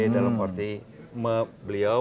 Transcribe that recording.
dalam arti beliau